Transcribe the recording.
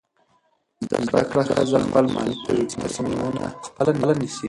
زده کړه ښځه خپل مالي تصمیمونه پخپله نیسي.